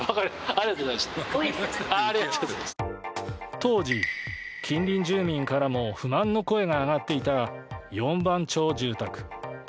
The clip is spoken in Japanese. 当時、近隣住民からも不満の声が上がっていた四番町住宅。